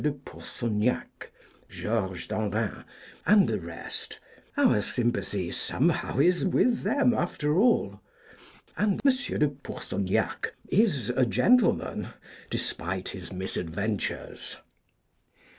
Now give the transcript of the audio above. de Pourceaugnac, George Dandin, and the rest our sympathy, somehow, is with them, after all; and M. de Pourceaugnac is a gentleman, despite his misadventures.